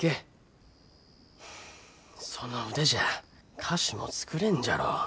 その腕じゃあ菓子も作れんじゃろう。